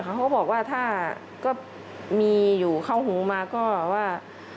เขาก็บอกว่าถ้าก็มีอยู่เข้าหูมาก็ว่า